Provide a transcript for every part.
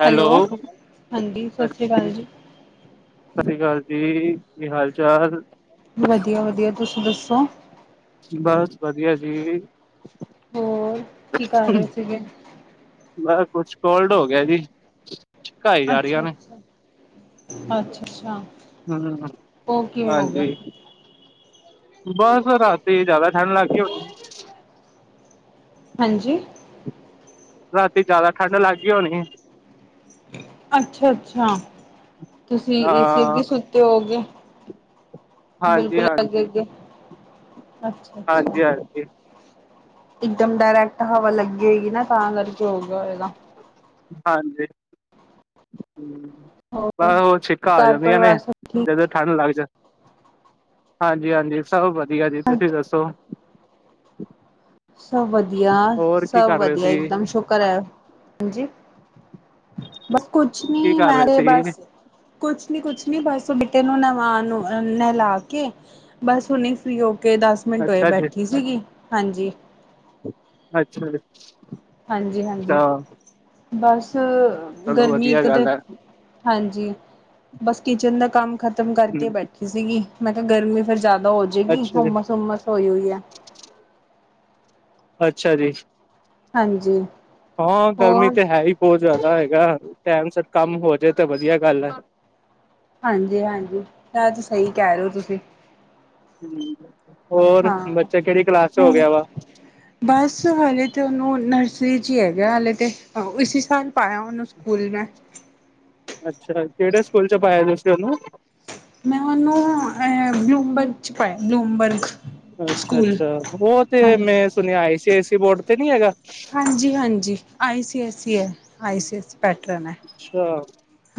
Hello, ਹਾਂਜੀ। ਸਸਸ਼੍ਰੀ ਕਾਲ ਜੀ। ਸਸੀ ਕਾਲ ਜੀ। ਕੀ ਹਾਲ ਚਾਲ? ਵਧੀਆ, ਵਧੀਆ ਤੁਸੀਂ ਦੱਸੋ। ਬਸ ਵਧੀਆ ਜੀ। ਹੋਰ ਕੀ ਕਰ ਰਹੇ ਸੀਗੇ ਮੈਂ ਕੁਛ, ਕੋਲਡ ਹੋ ਗਿਆ ਜੀ। ਛਿੱਕਾਈ ਜਾ ਰਹੀਆਂ ਅੱਛਾ-ਅੱਛਾ, ਨੇ, ਅੱਛਾ-ਅੱਛਾ। ਹਮ, ਹਾਂਜੀ ਬਸ ਰਾਤੀ ਜਿਆਦਾ ਠੰਢ ਲੱਗ ਕੇ, ਹੋਣੀ। ਹਾਂਜੀ ਰਾਤੀ ਜਾਦਾ ਠੰਢ ਲੱਗ ਗਈ ਹੋਨੀ। ਅੱਛਾ- ਅੱਛਾ ਤੁਸੀਂ ਏਸੀ ਹਾਂ ਅੱਗੇ ਸੁੱਤੇ ਹੋਗੇ। ਹਾਂਜੀ, ਬਿਲਕੁਲ ਅੱਗੇ- ਹਾਂਜੀ। ਅੱਗੇ, ਅੱਛਾ-ਅੱਛਾ। ਹਾਂਜੀ, ਹਾਂਜੀ, ਇਕਦਮ ਡਾਇਰੈਕਟ ਹਵਾ ਲੱਗੇ ਹੋਏਗੀ ਨਾ, ਤਾਂ ਕਰਕੇ ਹੋਗੇ ਆ ਹੋਏਗਾ। ਹਾਂਜੀ ਹਮ, ਪਰ ਹੋਰ ਛਿੱਕਾ ਆ, ਘਰ ਜਾਂਦੀਆਂ ਨੇ ਪਰਿਵਾਰ ਸਭ ਠੀਕ ਜਦੋਂ ਠੰਡ ਲੱਗ ਜਾਦੀ ਹਾਂਜੀ-ਹਾਂਜੀ ਸਭ ਵਧੀਆ ਜੀ ਤੁਸੀਂ ਠਾਕ ਦੱਸੋ! ਸਭ ਵਧੀਆ, ਹੋਰ ਕੀ ਸਭ ਕਰ ਰਹੇ ਵਧੀਆ। ਇੱਕ ਸੀ, ਦਮ ਸ਼ੁਕਰ ਐ। ਹਾਂਜੀ ਬਸ ਕੁਛ ਨੀ ਕੀ ਕਰ ਰਹੇ ਮੈਰੇ ਸੀ? ਬਸ ਕੁਛ ਨੀ ਕੁਛ ਨੀ ਬਸ, ਬੇਟੇ ਨੂੰ ਨਵਾਨ ਨਹਿਲਾ ਕੇ ਬਸ ਹੁਣੇ ਫਰੀ ਹੋ, ਕੇ ਦਸ ਮਿੰਟ ਹੋਏ ਅੱਛਾ ਜੀ, ਬੈਠੀ ਸੀਗੀ। ਹਾਂਜੀ। ਅੱਛਾ ਜੀ। ਹਾਂਜੀ, ਹਾਂਜੀ ਬਸ, ਚਲੋ ਗਰਮੀ ਵਧੀਆ ਇੱਕ ਤੇ ਗੱਲ ਹੈ ਹਾਂਜੀ, ਬਸ ਕਿਚਨ ਦਾ ਕੰਮ ਖਤਮ ਕਰਕੇ ਹਮ। ਬੈ ਸੀ ਗੀ ਮੈਂ ਕਿਹਾ ਗਰਮੀ ਫਿਰ ਜ਼ਿਆਦਾ ਹੋ ਜੇਗੀ। ਅੱਛਾ ਜੀ ਹੁਮਸ ਹੁਮਸ ਹੋਈ ਹੋਈ ਹੈ। ਅੱਛਾ ਜੀ। ਹਾਂਜੀ। ਹਾਂ ਗਰਮੀ ਹੋਰ ਤਾਂ ਹੈ ਹੀ ਬਹੁਤ ਜ਼ਿਆਦਾ ਹੈਗਾ, ਟਾਈਮ ਸਿਰ ਕੰਮ ਹੋ ਜਾਏ, ਤਾਂ ਵਧੀਆ ਗੱਲ ਐ। ਹਾਂਜੀ-ਹਾਂਜੀ ਏ ਤੇ ਸਹੀ ਕਹਿ ਰਹੇ ਹੋ ਤੁਸੀਂ ਹਮ ਹੋਰ ਬੱਚਾ ਹਾਂ ਕਿਹੜੀ ਕਲਾਸ ਚ ਹੋ ਗਿਆ ਵਾ? ਬਸ ਹਲੇ ਤਾਂ, ਉਹਨੂੰ ਨਰਸਰੀ 'ਚ, ਹੀ ਹੈਗਾ ਹਲੇ ਤਾਂ ਇਸੀ ਸਾਲ ਪਾਇਆ ਉਹਨੂੰ ਸਕੂਲ ਮੈਂ! ਅੱਛਾ, ਕਿਹੜੇ ਸਕੂਲ ਚ ਪਾਇਆ ਤੁਸੀ ਉਨੂੰ। ਮੈਂ ਔਹਨੂੰ ਇਹ ਬਲੂਮਬਰ ਚ ਪਾਇਆ ਬਲੂਮਬਰ ਚ ਅੱਛਾ-ਅੱਛਾ। ਸਹ ਤੇ ਮੈਂ ਸੁਣਿਆ, ਆਈ ਸੀ ਐ ਸੀ ਬੋਰਡ ਤੇ ਨੀ ਹੈਗਾ? ਹਾਂਜੀ-ਹਾਂਜੀ ਆਈ ਸੀ ਐੱਸ ਈ ਹੈ ਆਈ ਸੀ ਐੱਸ। ਪੈਟਰਨ ਹੈ।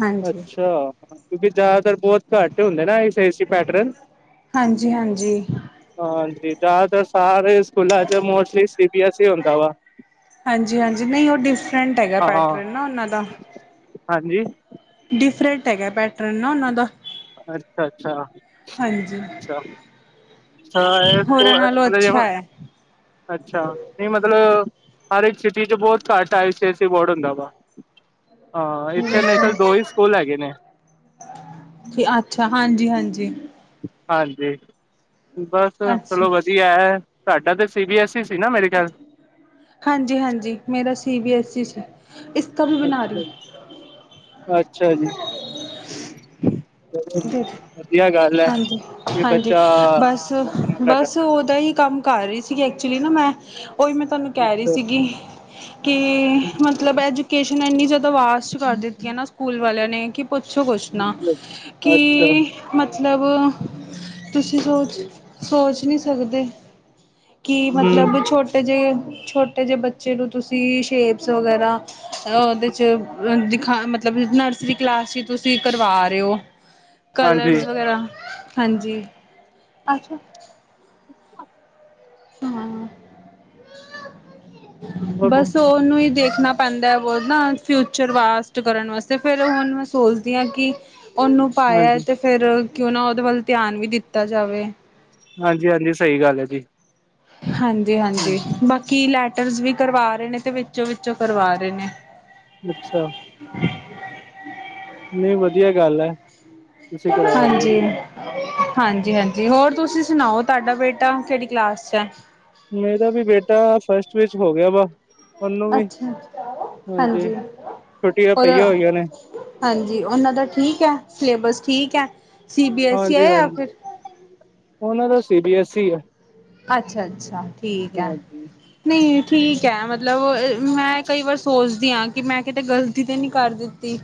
ਹਾਂਜੀ ਕਿਉਂਕਿ ਜ਼ਿਆਦਾਤਰ ਬਹੁਤ ਘੱਟ ਹੁੰਦੇ ਨਾ, ਆਈ ਸੀ ਆਈ ਸੀ ਪੈਟਰਨ। ਹਾਂਜੀ ਹਾਂਜੀ ਹਾਂਜੀ ਜਾਤਰ ਸਾਰੇ ਸਕੂਲਾਂ ਚ mostly C B S E ਹੁੰਦਾ ਵਾ। ਹਾਂਜੀ-ਹਾਂਜੀ। ਨਹੀਂ ਔਹ ਡਿਫਰੈਂਟ ਹੈਗਾ ਹਾਂ ਪੈਟਰਨ ਨਾ ਉਹਨਾਂ ਦਾ। ਹਾਂਜੀ ਡਿਫਰੈਂਟ ਹੈਗਾ ਪੈਟਰਨ ਨਾ ਉਹਨਾਂ ਦਾ। ਅੱਛਾ-ਅੱਛਾ ਹਾਂਜੀ ਛਾ ਹ ਹੋਰਾਂ ਨਾਲੋਂ ਅੱਛਾ ਇਹ [unintelligible] ਹੈ ਅੱਛਾ ਨਹੀਂ ਮਤਲਬ ਹਰ ਇੱਕ ਸਿਟੀ ਚ ਬੋਤ ਘੱਟ ਆਈ ਸੀ ਏਸ ਈ ਸੀ ਬੋਰਡ ਹੁੰਦਾ ਵਾ। ਹਾਂ, ਇੱਥੇ ਮੇਰੇ ਖਿਆਲ ਦੋ, ਹੀ ਸਕੂਲ ਹੈਗੇ ਨੇ! ਤੇ ਅੱਛਾ, ਹਾਂਜੀ-ਹਾਂਜੀ। ਹਾਂਜੀ, ਬਸ ਅੱਛਾ ਚਲੋ ਵਧੀਆ ਹੈ। ਤੁਹਾਡਾ ਤੇ ਸੀ- ਬੀ -ਐੱਸ ਸੀ, ਨਾ ਮੇਰੇ ਖਿਆਲ ਹਾਂਜੀ-ਹਾਂਜੀ, ਮੇਰਾ, ਸੀ -ਬੀ -ਐਸ -ਈ, ਸੀ ਇਸਕਾ ਬੀ ਬਨਾ ਰਹੀ। ਅੱਛਾ ਅੱਛਾ ਜੀ। ਚਲੋ [unintelligible] ਵਧੀਆ ਗੱਲ ਹੈ ਕਿ ਹਾਂਜੀ-ਹਾਂਜੀ, ਬੱਚਾ ਆਪਣਾ ਸਾਡਾ ਬਸ-ਬਸ ਉਹਦਾ ਹੀ ਕੰਮ ਘਰ ਹੀ ਸੀਗੀ ਐਕਚੁਲੀ ਨਾ ਮੈਂ, ਉਹੀ ਮੈਂ ਤੁਹਾਨੂੰ ਕਹਿ ਰਹੀ ਅੱਛਾ ਸੀਗੀ। ਕਿ ਮਤਲਬ, ਐਜੂਕੇਸ਼ਨ ਇੰਨੀ, ਜ਼ਿਆਦਾ ਵਾਰਸਟ ਕਰ ਦਿੱਤੀ ਹੈ ਨਾ ਸਕੂਲ ਵਾਲਿਆਂ ਨੇ ਕਿ ਪੁੱਛੋ ਕੁਛ ਨਾ ਕਿ ਅੱਛਾ ਮਤਲਬ, ਤੁਸੀਂ ਸੋਚ, ਸੋਚ ਨਹੀਂ ਸਕਦੇ। ਕਿ ਹਮ ਮਤਲਬ, ਛੋਟੇ ਜਿਹੇ-ਛੋਟੇ ਜਿਹੇ ਬੱਚੇ ਨੂੰ, ਤੁਸੀਂ ਸ਼ੇਪਸ ਵਗੈਰਾ ਉਹਦੇ, ਚ ਦਿਖਾ ਮਤਲ ਮਤਲਬ, ਨਰਸਰੀ ਕਲਾਸ ਚ ਤੁਸੀਂ ਕਰਵਾ ਰਹੇ ਹੋ। ਹਾਂਜੀ ਕਲਰਸ ਵਗੈਰਾ ਹਾਂਜੀ, ਅੱਛਾ। ਹਾਂ, ਬਸ ਉਹ ਨੂੰ ਹੀ ਦੇਖਣਾ ਪੈਂਦਾ ਐ ਬਹੁਤ ਨਾ, ਫਿਊਚਰ ਵਾਸਟ ਕਰਨ ਵਾਸਤੇ ਫਿਰ ਹੁਣ ਮੈਂ ਸੋਚਦੀ ਹਾਂ ਕਿ ਉਹਨੂੰ, ਪਾਇਆ ਹਾਂਜੀ ਤੇ, ਫਿਰ ਕਿਉਂ ਨਾ, ਉਹਦੇ ਵੱਲ ਧਿਆਨ ਵੀ ਦਿੱਤਾ ਜਾਵੇ। ਹਾਂਜੀ, ਹਾਂਜੀ ਸਹੀ ਗੱਲ ਐ ਜੀ। ਹਮ ਹਾਂਜੀ-ਹਾਂਜੀ, ਬਾਕੀ ਲੈਟਰਸ ਵੀ ਕਰਵਾ ਰਹੇ ਨੇ, ਤੇ ਵਿੱਚੋ ਵਿੱਚੋ ਕਰਵਾ ਰਹੇ ਨੇ। ਅੱਛਾ। ਨਹੀਂ, ਵਧੀਆ ਗੱਲ ਹੈ। ਤੁਸੀਂ ਕਰਾ ਰਹੇ ਹੋ ਹਾਂਜੀ। ਹਾਂਜੀ-ਹਾਂਜੀ। ਹੋਰ ਤੁਸੀਂ ਸੁਣਾਓ? ਤੁਹਾਡਾ ਬੇਟਾ ਕਿਹੜੀ ਕਲਾਸ ਚ ਹੈ? ਮੇਰਾ ਵੀ, ਬੇਟਾ ਫਸਟ ਵਿੱਚ ਹੋ ਗਿਆ ਵਾ। ਉਹਨੂੰ ਵੀ, ਅੱਛਾ ਹਾਂਜੀ ਛੁੱਟੀਆਂ ਪਈਆਂ ਹੋਈਆਂ ਉਹਦਾ ਨੇ। ਹਾਂਜੀ ਉਹਨਾਂ ਦਾ, ਠੀਕ ਹੈ, ਸਿਲੇਬਸ ਠੀਕ ਹੈ? ਸੀ ਬੀ ਐੱਸ ਈ ਹਾਂਜੀ- ਹੈ ਜਾਂ ਹਾਂਜੀ, ਫਿਰ ਉਹਨਾਂ ਦਾ ਸੀ- ਬੀ -ਐੱਸ -ਈ, ਆ। ਅੱਛਾ- ਅੱਛਾ ਠੀਕ ਹੈ, ਹਾਂਜੀ ਨਹੀਂ, ਠੀਕ ਹੈ, ਮਤਲਬ ਮੈਂ ਕੀ, ਵਾਰ ਸੋਚਦੀ ਹਾਂ, ਕਿ ਮੈਂ ਕਿਤੇ ਗਲਤੀ ਤੇ ਨਹੀਂ ਕਰ ਦਿੱਤੀ।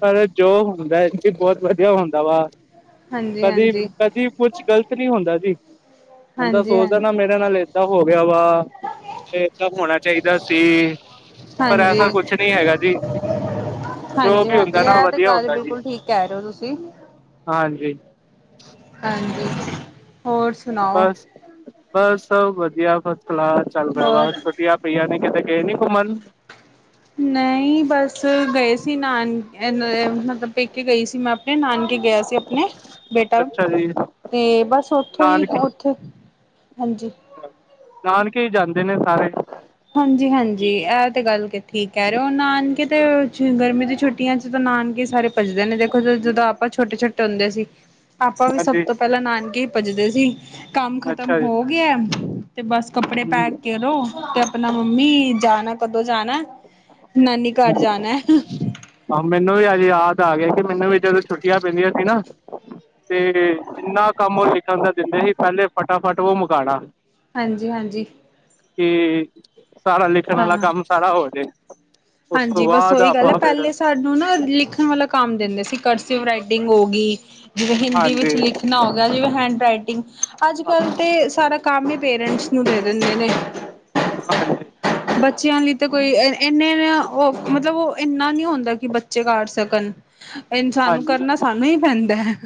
ਪਰ, ਜੋ ਹੁੰਦਾ, ਬਹੁਤ ਵਧੀਆ ਹੁੰਦਾ ਵਾ। ਹਾਂਜੀ ਕਦੀ, ਹਾਂਜੀ ਕਦੀ ਕੁਛ ਗ਼ਲਤ ਨਹੀਂ‌‌ ਹੁੰਦਾ ਜੀ। ਬੰਦਾ, ਹਾਂਜੀ ਹਾਂਜੀ ਸੋਚਦਾ ਨਾ, ਮੇਰੇ ਨਾਲ ਏਦਾਂ ਹੋ ਗਿਆ ਵਾ। ਤਾਂ ਹੋਣਾ ਚਾਹੀਦਾ ਸੀ, ਪਰ ਹਾਂਜੀ ਐਸਾ ਕੁਛ ਨਹੀਂ ਹੈਗਾ ਜੀ। ਜੋ ਹਾਂਜੀ- ਵੀ ਹਾਂਜੀ, ਹੁੰਦਾ ਨਾ ਇਹ ਤੇ ਵਧੀਆ ਗੱਲ, ਹੁੰਦਾ ਜੀ ਬਿਲਕੁਲ ਠੀਕ, ਕਹਿ ਰਹੇ ਹੋ ਤੁਸੀ। ਹਾਂਜੀ। ਹਾਂਜੀ, ਹੋਰ ਸੁਣਾਓ ਬਸ, ਬਸ ਸਭ ਵਧੀਆ, ਫਸ -ਕਲਾਸ ਚਲ ਰਿਹਾ। ਹੋਰ ਬਸ ਵਧੀਆ [unintelligible] ਕਿਤੇ ਗਏ ਨੀ, ਘੁੰਮਣ? ਨਹੀਂ, ਬਸ ਗਏ ਸੀ ਨਾਨ ਮਤਲਬ, ਪੇਕੇ ਗਈ ਸੀ ਮੈਂ ਆਪਣੇ, ਨਾਨਕੇ ਗਿਆ ਸੀ, ਆਪਣੇ, ਬੇਟਾ ਅੱਛਾ ਜੀ ਤੇ, ਬਸ ਉਥੋਂ ਹੀ, ਨਾਨਕੇ ਉੱਥੇ ਹਾਂਜੀ। ਨਾਨਕੇ ਈ ਜਾਂਦੇ ਨੇ, ਸਾਰੇ ਹਾਂਜੀ -ਹਾਂਜੀ ਇਹ ਤੇ, ਗੱਲ ਕਿ ਠੀਕ ਕਿਹ ਰਹੇ ਹੋ, ਨਾਨਕੇ ਤੇ, ਗਰਮੀ ਦੀ ਛੁੱਟੀਆਂ ਚ ਤਾਂ, ਨਾਨਕੇ ਸਾਰੇ ਭੱਜਦੇ ਨੇ, ਦੇਖੋ ਜਦੋਂ ਆਪਾਂ ਛੋਟੇ- ਛੋਟੇ ਹੁੰਦੇ ਸੀ। ਆਪਾਂ, ਵੀ ਸਭ ਹਾਂਜੀ ਤੋਂ ਪਹਿਲਾਂ, ਨਾਨਕੇ ਹੀ ਭੱਜਦੇ ਸੀ। ਕੰਮ ਖਤਮ ਅੱਛਾ ਜੀ ਹੋ ਗਿਆ, ਤੇ ਬਸ ਕੱਪੜੇ ਪੈਕ ਹੂੰ ਕਰੋ ਤੇ ਆਪਣਾ, ਮੰਮੀ ਜਾਣਾ, ਕਦੋਂ ਜਾਣਾ, ਨਾਨੀ ਘਰ ਜਾਣਾ। ਹਾਂ, ਮੈਨੂੰ ਵੀ ਅੱਜ ਯਾਦ ਆ ਗਿਆ, ਕਿ ਮੈਨੂੰ ਵੀ ਜਦੋਂ ਛੁੱਟੀਆਂ ਪੈਂਦੀਆਂ ਸੀ ਨਾ ਤੇ, ਜਿੰਨਾ ਕੰਮ ਉਹ ਲਿਖਣ ਦਾ ਦਿੰਦੇ ਸੀ, ਪਹਿਲੇ ਫਟਾਫਟ ਉਹ ਮੁਕਾਉਣਾ। ਹਾਂਜੀ- ਹਾਂਜੀ। ਤੇ, ਸਾਰਾ ਲਿਖਣ ਵਾਲਾ ਹਾਂ ਕੰਮ ਸਾਰਾ ਹੋਜੇ। ਹਾਂਜੀ, ਬਸ ਉਹੀ ਗੱਲ ਹੈ, ਪਹਿਲੇ ਸਾਨੂੰ ਨਾ ਲਿਖਣ ਵਾਲਾ ਕੰਮ ਦਿੰਦੇ ਸੀ, ਕਰਸਿਵ ਰਾਈਟਿੰਗ ਗ ਹੋ ਗਈ, ਜਿਵੇਂ ਹਿੰਦੀ ਵਿੱਚ ਹਾਂਜੀ ਲਿਖ ਣਾ, ਹੋ ਗਿਆ, ਜਿਵੇਂ ਹੈਂਡ ਰਾਈਟਿੰਗ, ਅੱਜ ਕੱਲ ਤੇ ਸਾਰਾ ਕੰਮ ਹੀ, ਪੇਰੈਂਟਸ ਨੂੰ ਦੇ ਦਿੰਦੇ ਨੇ। ਹਾਂਜੀ ਬੱਚਿਆਂ ਲਈ ਤਾਂ ਕੋਈ, ਇੰਨੇ ਉਹ, ਮਤਲਬ ਉਹ ਇੰਨਾ ਨਹੀਂ ਹੁੰਦਾ ਕਿ ਬੱਚੇ ਕਰ ਸਕਣ। ਇਨਸਾਨ ਨੂੰ, ਹਾਂਜੀ ਕਰਨਾ ਸਾਨੂੰ ਹੀ ਪੈਂਦਾ ਹੈ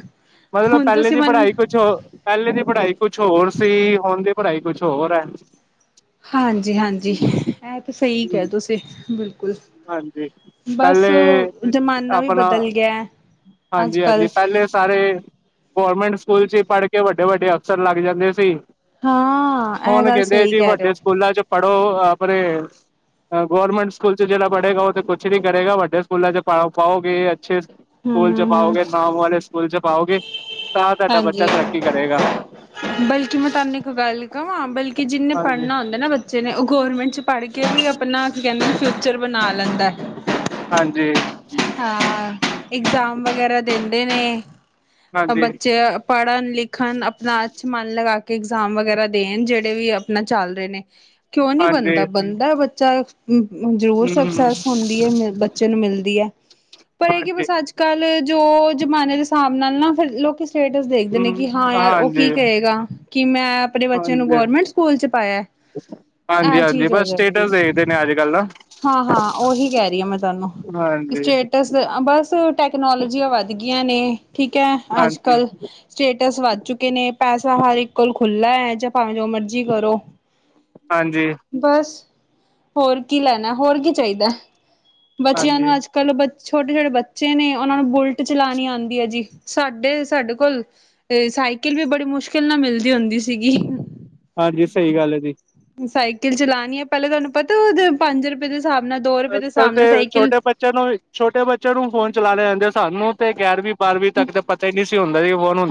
ਮਤਲਬ ਹੁਣ ਪਹਿਲੇ ਤੁਸੀਂ ਦੀ ਮਨ ਪੜ੍ਹਾਈ ਕੁਛ ਹੋ ਪਹਿਲੇ ਦੀ ਪੜ੍ਹਾਈ ਕੁਛ ਹੋਰ ਸੀ, ਹੁਣ ਦੀ ਪੜ੍ਹਾਈ ਕੁਛ ਹੋਰ ਹੈ। ਹਾਂਜੀ- ਹਾਂਜੀ, ਇਹ ਤੇ ਸਹੀ ਕੇਹਾ ਤੁਸੀਂ ਬਿਲਕੁਲ ਹਾਂਜੀ ਬਸ ਪਹਿਲੇ ਜ਼ਮਾਨਾ ਵੀ ਆਪਣਾ ਬਦਲ ਗਿਆ ਅੱਜ ਹਾਂਜੀ- ਹਾਂਜੀ ਕੱਲ ਪਹਿਲੇ ਸਾਰੇ ਗੌਰਰਮੈਂਟ ਸਕੂਲ ਚ ਹੀ ਪੜ੍ਹ ਕੇ, ਵੱਡੇ ਵੱਡੇ ਅਫਸਰ ਲੱਗ ਜਾਂਦੇ ਸੀ ਹਾਂ ਇਹ ਕੋਣ ਗੱਲ ਕਹਿੰਦੇ ਏ ਸਹੀ ਜੀ, ਕਹਿ ਰਹੇ ਹੋ ਵੱਡੇ ਸਕੂਲਾਂ ਚ ਪੜੋ ਆਪ, ਆਪ ਗਵਰਮੈਂਟ ਸਕੂਲ ਜਿਹੜਾ ਪੜ੍ਹੇਗਾ ਉਹ ਤੇ ਕੁਛ ਨੀ ਕਰੇਗਾ, ਵੱਡੇ ਸਕੂਲਾਂ 'ਚ ਪਾ ਪਾਓਗੇ। ਅੱਛੇ ਸਕੂਲ ਚ ਹੂੰ-ਹੂੰ-ਹੂੰ ਪਾਓਗੇ, ਨਾਮ ਵਾਲੇ ਸਕੂਲ ਚ ਪਾਓਗੇ, ਤਾਂ ਤੁਹਾਡਾ ਹਾਂਜੀ ਬੱਚਾ ਤਰੱਕੀ ਕਰੇਗਾ ਬਲਕਿ ਮੈਂ ਤੁਹਾਨੂੰ ਇੱਕ ਗੱਲ ਕਵਾਂ, ਬਲਕਿ ਜਿੰਨੇ ਹਾਂਜੀ ਪੜ੍ਹਨਾ ਹੁੰਦਾ ਨਾ ਬ ਜਿਹੇ ਉਹ ਗੌਰਮੈਂਟ ਪੜ੍ਹ ਕੇ ਵੀ, ਆਪਣਾ ਕਹਿੰਦਾ ਫਿਊਚਰ ਬਣਾ ਲੈਂਦਾ। ਹਾਂਜੀ ਹਾਂ ਹਾਂ, ਇਗਜ਼ਾਮ ਵਗੈਰਾ ਦਿੰਦੇ ਨੇ, ਹਾਂਜੀ ਬੱਚੇ ਪੜ੍ਹਨ ਲਿਖਣ ਆਪਣਾ ਅੱਛ ਮਨ ਲਗਾ ਕੇ ਇਗਜ਼ਾਮ ਵਗੈਰਾ ਦੇਣ, ਜਿਹੜੇ ਵੀ ਆਪਣਾ ਚੱਲ ਰਹੇ ਨੇ। ਕਿਉਂ ਨਹੀ ਹਾਂਜੀ ਬਣਦਾ, ਬਣਦਾ ਬੱਚਾ ਜ਼ਰੂਰ ਹਮ ਸਕਸੈਸ ਹੁੰਦੀ ਹੈ, ਬੱਚੇ ਨੂੰ ਮਿਲਦੀ ਹੈ ਪਰ ਇਹ ਕਿ, ਹਾਂਜੀ ਬਸ ਅੱਜ ਕੱਲ੍ਹ ਜੋ ਜ਼ਮਾਨੇ ਦੇ ਹਿਸਾਬ ਨਾਲ ਨਾ ਫਿਰ ਲੋਕ ਸਟੇਟਸ ਦੇਖਦੇ ਨੇ, ਹਮ ਕਿ ਹਾਂ ਯਾਰ ਉਹ ਕੀ ਹਾਂਜੀ ਕਹੇਗਾ, ਕਿ ਮੈਂ ਆਪਣੇ ਬੱਚਿਆਂ ਨੂੰ ਹਾਂਜੀ ਗਵਰਮੈਂਟ ਸਕੂਲ ਚ ਪਾਇਆ ਹਾਂਜੀ ਇਹ ਹਾਂਜੀ, ਬਸ ਸਟੇਟਸ ਦੇਖਦੇ ਨੇ ਅੱਜ ਕੱਲ ਦਾ ਹਾਂ-ਹਾਂ ਉਹੀ ਕਹਿ ਰਹੀ ਆ ਮੈਂ ਤੁਹਾਨੂੰ ਹਾਂਜੀ ਸਟੇਟਸ ਬਸ ਟੈਕਨੋਲੋਜੀਆਂ ਵੱਧ ਗਈਆਂ ਨੇ, ਠੀਕ ਹੈ ਅੱਜ ਹਾਂਜੀ ਕੱਲ ਸਟੇਟਸ ਵੱਧ ਚੁੱਕੇ ਨੇ, ਪੈਸਾ ਹਰ ਇੱਕ ਕੋਲ ਖੁੱਲ੍ਹਲਾ ਹੈ, ਜਾਂ ਭਾਵੇਂ ਜੋ ਮਰਜ਼ ਜੀ ਕਰੋ। ਹਾਂਜੀ ਬਸ ਹੋਰ ਕੀ ਲੈਣਾ, ਹੋਰ ਕੀ ਚਾਹੀਦਾ, ਬੱਚਿਆਂ ਹਾਂਜੀ। ਨੂੰ ਅੱਜ ਕਲੋ ਬ ਛੋਟੇ ਛੋਟੇ ਬੱਚੇ ਨੇ, ਉਹਨਾਂ ਨੂੰ ਬੁਲਟ ਚਲਾਣੀ ਆਉਂਦੀ ਹੈ ਜੀ, ਸਾਡੇ ਸਾਡੇ ਕੋਲ ਤੇ ਸਾਈਕਲ ਵੀ ਬੜੀ ਮੁਸ਼ਕਿਲ ਨਾਲ ਮਿਲਦੀ ਹੁੰਦੀ ਸੀਗੀ ਹਾਂਜੀ ਸਹੀ ਗੱਲ ਹੈ ਜੀ ਸਾਈਕਲ ਚਲਾਣੀ ਹੈ, ਪਹਿਲਾਂ ਤੁਹਾਨੂੰ ਪਤਾ ਉਹਦੇ ਪੰਜ ਰੁਪਏ ਦੇ ਹਿਸਾਬ ਨਾਲ, ਦੋ ਰੁਪਏ ਦੇ ਹਿਸਾਬ ਨਾਲ ਸਾਈਕਲ ਚਲੋ ਛੋਟੇ ਬੱਚੇ ਨੂੰ ਫੋਨ ਚਲਾਣੇ ਆਦੇ, ਸਾਨੂੰ ਤੇ ਗਿਆਰਵੀਂ ਬਾਰਵੀਂ ਤੱਕ ਤੇ ਪਤਾ ਹੀ ਨਹੀਂ ਸੀ ਹੂੰ।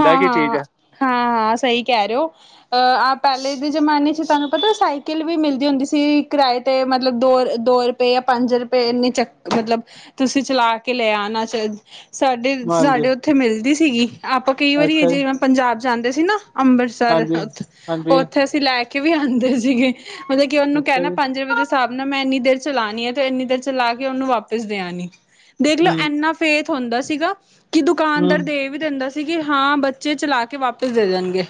ਹਾਂ- ਹਾਂ -ਹਾਂ -ਹਾਂ ਸਹੀ ਕਹਿ ਰਹੇ ਹੋ, ਅਹ ਆਪ ਪਹਿਲੇ ਵ ਜ਼ਮਾਨੇ ਚ ਤੁਹਾਨੂੰ ਪਤਾ ਸਾਈਕਲ ਵੀ ਮਿਲਦੀ ਹੁੰਦੀ ਸੀ ਕਿਰਾਏ ਤੇ, ਮਤਲਬ ਦੋ ਦੋ ਜਾਂ ਪੰਜ ਰੁਪਏ, ਇੰਨੇ ਚੱਕ ਮਤਲਬ ਤੁਸੀਂ ਚਲਾ ਕੇ ਲੈ ਆਣਾ। ਸਾਡੇ ਹਾਂਜੀ -ਸਾਡੇ ਉੱਥੇ ਮਿਲਦੀ ਸੀਗੀ, ਆਪਾਂ ਕਈ ਵਾਰੀ ਅੱਛਾ ਜੀ ਜੇ ਮੈਂ ਪੰਜਾਬ ਜਾਂਦੇ ਸੀ ਨਾ ਅੰਬਰ ਸਰ ਹਾਂਜੀ ਉਹ ਹਾਂਜੀ ਉੱਥੇ ਅਸੀਂ ਲੈ ਕੇ ਵੀ ਆਉਂਦੇ ਸੀਗੇ, ਮਤਲਬ ਕਿ ਉਹਨੂੰ ਅੱਛਾ ਕਹਿਣਾ ਜੀ ਪੰਜ ਰੁਪਏ ਵਜ ਹਿਸਾਬ ਨਾਲ ਮੈਂ ਇੰਨੀ ਦੇਰ ਚਲਾਣੀ ਆ, ਤੇ ਇੰਨੀ ਦੇਰ ਚਲਾ ਕੇ, ਉਹਨੂੰ ਵਾਪਿਸ ਦੇ ਆਨੀ, ਦੇਖਲੋ ਹੂੰ। ਇੰਨਾ ਫੈਥ ਹੁੰਦਾ ਸੀਗਾ, ਕਿ ਦੁਕਾਨਦਾਰ ਹੂੰ ਦੇ ਵੀ ਦਿੰਦਾ ਸੀ। ਸੀਗੇ, ਹਾਂ ਬੱਚੇ ਚਲਾ ਕੇ ਵਾਪਿਸ ਦੇ ਦੇਣਗੇ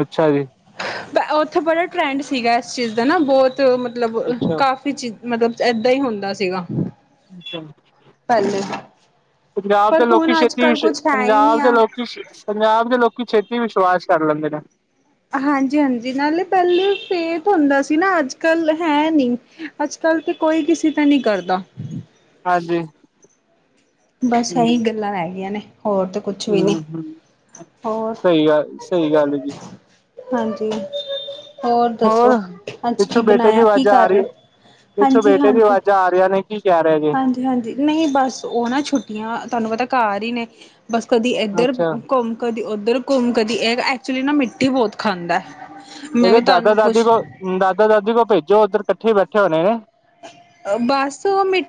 ਅੱਛਾ ਜੀ ਉੱਥੇ ਬੜਾ ਟਰੈਂਡ ਸੀਗਾ, ਇਸ ਚੀਜ਼ ਦਾ ਨਾ, ਬਹੁਤ ਮਤਲਬ ਅੱਛਾ ਕਾਫੀ ਮਤਲਬ ਏਦਾਂ ਹੀ ਹੁੰਦਾ ਸੀਗਾ। ਅੱਛਾ। ਹਾਂਜੀ ਪੰਜਾਬ ਦੇ ਲੋਕੀ ਛੇਤੀ, ਹੈ ਹੀ ਨਹੀਂ ਪੰਜਾਬ ਦੇ ਆ ਲੋਕੀ ਪੰਜਾਬ ਦੇ ਲੋਕੀ ਛੇਤੀ ਵਿਸ਼ਵਾਸ ਕਰ ਲੈਂਦੇ ਨੇ। ਹਾਂਜੀ-ਹਾਂਜੀ ਨਾਲੇ ਪਹਿਲੇ ਫੇਤ ਹੁੰਦਾ ਸੀ ਨਾ ਅੱਜ ਕੱਲ ਹੈ ਨੀ ਅੱਜ ਕੱਲ ਤੇ ਕੋਈ ਕਿਸੇ ਤੇ ਨਹੀਂ ਕਰਦਾ। ਹਾਂਜੀ ਬਸ ਇਹੀ ਗੱਲਾਂ ਰਹਿ ਗਈਆਂ ਨੇ ਹੋਰ ਤੇ ਹੂੰ-ਹੂੰ ਸਹੀ ਗੱਲ ਸਹੀ ਗੱਲ ਜੀ। ਹਾਂਜੀ ਹੋਰ ਅੱਜ ਕੀ ਪਿੱਛੋਂ ਬੇਟੇ ਦੀ ਬਣਾਇਆ ਕੀ ਆਵਾਜ਼ਾਂ ਆ ਕਰ ਰਹੀ ਹੈ ਰਹੇ ਪਿੱਛੋਂ ਬੇਟੇ ਦੀ ਆਵਾਜ਼ਾਂ ਆ ਰਹੀਆਂ ਨੇ। ਕੀ ਕਹਿ ਰਹੇ। ਹਾਂ ਹਾਂਜੀ ਨਹੀਂ ਬਸ ਉਹ ਨਾ ਛੁੱਟੀਆਂ ਤੁਹਾਨੂੰ ਪਤਾ ਘਾਰ ਹੀ ਨੇ। ਬਸ ਕਦੀ ਇਧਰ ਘੁੰਮ ਕਦੀ ਉੱਧਰ ਘੁੰਮ ਕਦੀ ਇਹ ਐਕਚੁਲੀ ਨਾ ਮਿੱਟੀ ਬਹੁਤ ਖਾਂਦਾ ਮੈਂ ਵੀ ਤੁਹਾਨੂੰ ਪੁੱਛ ਦਾਦਾ ਦਾਦੀ ਕੋਲੋ ਭੇਜੋ ਉਧਰ ਕੱਠੇ ਹੀ ਬੈਠੇ ਹੋਣੇ ਨੇ। ਬਸ ਉਹ ਮਿੱ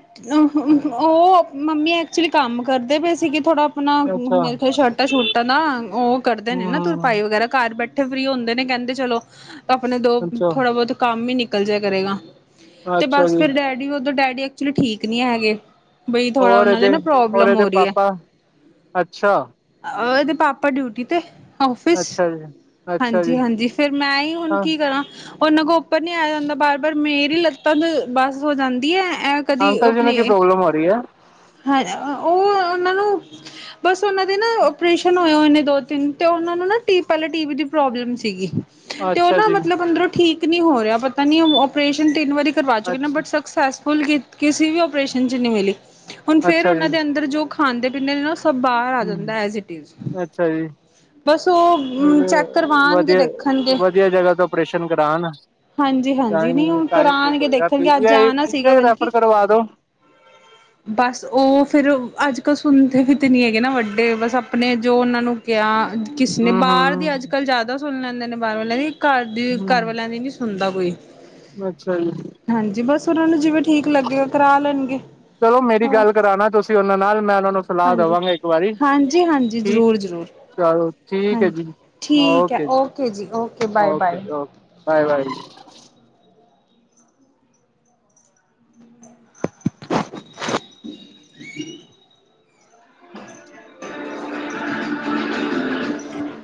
[inaudible] ਉਹ ਮੰਮੀ ਐਕਚੁਲੀ ਕੰਮ ਕਰਦੇ ਪਏ ਸੀਗੇ ਥੋੜਾ ਆਪ ਮੇਰੇ ਖਿਆਲ ਸ਼ਰਟਾਂ ਸ਼ਰਟੋਂ ਨਾ ਉਹ ਕਰਦੇ ਨੇ ਨਾ ਤੁਰਪਾਈ ਵਗੈਰਾ ਘਰ ਬੈਠੇ ਕੱਠੇ ਫਰੀ ਹੁੰਦੇ ਨੇ ਕਹਿੰਦੇ ਚਲੋ ਆਪਣੇ ਦੋ ਅੱਛਾ ਥੋੜਾ ਬਹੁਤ ਕੰਮ ਹੀ ਨਿਕਲ ਜਾ ਕਰੇਗਾ। ਤੇ ਅੱਛਾ ਬਸ ਜੀ ਫਿਰ ਡੈਡੀ ਉਦੋਂ ਡੈਡੀ ਐਕਚੁਲੀ ਠੀਕ ਨਹੀਂ ਹੈਗੇ। ਬਈ ਥੋੜਾ ਹੋਰ ਉਹਨਾ ਇਹਦੇ ਦੀ ਨਾ ਹੋਰ ਪ੍ਰੋਬਲਮ ਇਹਦੇ ਹੋ ਰਹੀ ਹੈ। ਪਾਪਾ ਅੱਛਾ ਆ ਇਹਦੇ ਪਾਪਾ ਡਿਊਟੀ ਤੇ ਔਫਿਸ ਅੱਛਾ ਜੀ ਅੱਛਾ ਜੀ ਹਾਂਜੀ-ਹਾਂਜੀ ਫਿਰ ਮੈਂ ਹੀ ਹੁਣ ਹਾਂ ਕੀ ਕਰਾਂ। ਉਹਨਾਂ ਕੋਲੋ ਉੱਪਰ ਨਹੀਂ ਆਇਆ ਜਾਂਦਾ ਬਾਰ-ਬਾਰ ਮੇਰੀ ਲੱਤਾਂ ਤੋਂ ਬੱਸ ਹੋ ਜਾਂਦੀ ਏ। ਕਦੀ ਅੰਕਲ ਜੀ ਨੂੰ ਆਪਣੇ ਕੀ ਪ੍ਰੋਬਲਮ ਹੋ ਰਹੀ ਹੈ ਹ ਉਹ ਉਹਨਾਂ ਨੂੰ ਬਸ ਉਹਨਾਂ ਦੇ ਨਾ ਓਪਰੇਸ਼ਨ ਹੋ ਹੋਏ ਨੇ ਦੋ ਤਿੰਨ ਤੇ ਉਹ ਨੂੰ ਨਾ ਪਹਿਲੇ ਟੀ ਵੀ ਦੀ ਪ੍ਰੋਬਲਮ ਸੀਗੀ। ਤੇ ਉਹ ਅੱਛਾ ਨਾ ਜੀ ਮਤਲਬ ਅੰਦਰੋਂ ਠੀਕ ਨੀ ਹੋ ਰਿਹਾ ਪਤਾ ਨੀ ਓਪਰੇਸ਼ਨ ਤਿੰਨ ਵਾਰੀ ਕਰਵਾ ਚੁੱਕੇ ਨਾ ਅੱਛਾ ਬਟ ਸ ਸਕਸੈਸਫੁਲ ਕਿਸੇ ਵੀ ਓਪਰੇਸ਼ਨ ਚ ਨਹੀਂ ਮਿਲੀ ਹੁਣ ਫੇਰ ਅੱਛਾ ਉਹਨਾਂ ਜੀ ਦੇ ਅੰਦਰ ਜੋ ਖਾਂਦੇ ਪੀਂਦੇ ਨੇ ਨਾ। ਸਭ ਬਾਹਰ ਆ ਜਾਂਦਾ ਹਮ ਐਜ਼ ਇਟ ਇਜ਼ ਅੱਛਾ ਜੀ ਬਸ ਉਹ ਚੈੱਕ ਕਰਵਾਉਣਗੇ ਵਧੀਆ ਦੇਖਣਗੇ। ਵਧੀਆ ਜਗ੍ਹਾ ਤੋਂ ਆਪਰੇਸ਼ਨ ਕਰਾਉਣ ਤਾਂ ਹਾਂਜੀ-ਹਾਂਜੀ ਨਹੀਂ ਹੀ ਉਹ ਤਾਂ ਹੀ ਠੀਕ ਕਰਾਂਣਗੇ ਹੋਏਗਾ ਦੇਖਣਗੇ ਅੱਜ ਪੀਜੀਆਈ ਜਾਣਾ ਸੀਗਾ ਪੀਜੀਆਈ ਬਲਕਿ ਰੈਫਰ ਕਰਵਾ ਦੋ ਬਸ, ਉਹ ਫੇਰ ਅੱਜ-ਕੱਲ ਸੁਣਦੇ ਵੀ ਤੇ ਨੀ ਹੈਗੇ ਨਾ ਵੱਡੇ, ਬਸ ਅਪਣੇ ਜੋ ਉਹਨਾਂ ਨੂੰ ਕਿਆ, ਕਿਸਨੇ ਹਮ ਬਾਹਰ ਦੀ ਅੱਜ-ਕੱਲ ਹਮ ਜ਼ਿਆਦਾ ਸੁਣ ਲੈਂਦੇ ਨੇ ਬਾਹਰ ਵਾਲਿਆਂ ਦੀ, ਘਰ ਦੀ ਘਰ ਹਮ ਵਾਲਿਆਂ ਦੀ ਨੀ ਸੁਣ ਹੁੰਦਾ ਕੋਈ। ਅੱਛਾ ਜੀ। ਹਾਂਜੀ ਬਸ ਓਨਾਂ ਨੂੰ ਜਿਵੇਂ ਠੀਕ ਲੱਗੇ ਕਰਾ ਲੈਣਗੇ। ਚਲੋ ਮੇਰੀ ਹੋਰ ਗੱਲ ਕਰਾਣਾ ਤੁਸੀਂ ਉਹਨਾਂ ਨਾਲ ਮੈਂ ਉਹਨਾਂ ਨੂੰ ਸਲਾਹ ਹਾਂਜੀ ਦੇਵਾਂਗਾ ਇੱਕ ਵਾਰੀ ਹਾਂਜੀ ਹਾਂਜੀ ਠੀਕ ਜ਼ਰੂਰ ਜ਼ਰੂਰ ਚਲੋ ਠੀਕ ਹੈ ਹਾਂਜੀ ਜੀ ਠੀਕ ਹੈ ਓਕੇ ਜੀ ਓਕੇ ਬਾਏ ਜੀ-ਓਕੇ ਬਾਏ ਜੀ-ਓਕੇ ਵਾਏ ਵਾਏ ਜੀ। [inaudible] ਹ।